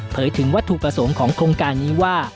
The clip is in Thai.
ถึงวัตถุประสงค์ของโครงการนี้ว่า